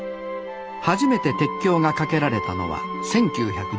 初めて鉄橋が架けられたのは１９１２年。